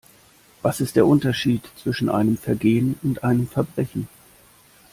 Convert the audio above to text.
Was ist der Unterschied zwischen einem Vergehen und einem Verbrechen?